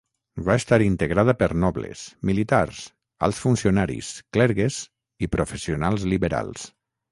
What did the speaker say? Va estar integrada per nobles, militars, alts funcionaris, clergues i professionals liberals.